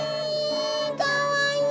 かわいい。